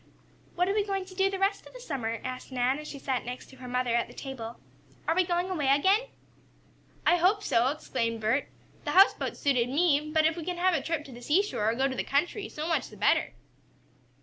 "What are we going to do the rest of the summer?" asked Nan, as she sat next to her mother at the table. "Are we going away again?" "I hope so!" exclaimed Bert. "The houseboat suited me, but if we can have a trip to the seashore, or go to the country, so much the better."